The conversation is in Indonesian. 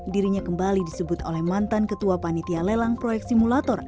dirinya kembali disebut oleh mantan ketua panitia lelang proyek simulator